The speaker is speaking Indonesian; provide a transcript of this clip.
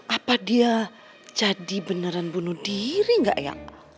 apa dia jadi beneran bunuh diri nggak ya